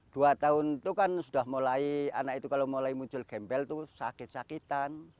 dua tahun itu kan sudah mulai anak itu kalau mulai muncul gembel itu sakit sakitan